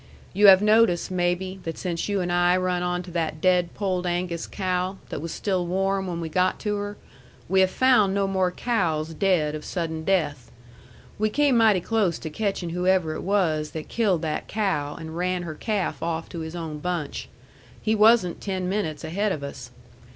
You have noticed, maybe, that since you and I run on to that dead Polled Angus cow, that was still warm when we got to her, we have found no more cows dead of sudden death. We came mighty close to catchin' whoever it was that killed that cow and ran her calf off to his own bunch. He wasn't ten minutes ahead of us.